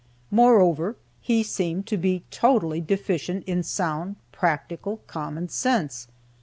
Moreover, he seemed to be totally deficient in sound, practical common sense.